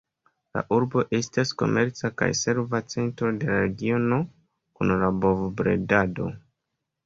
La urbo estas komerca kaj serva centro de la regiono kun la bov-bredado.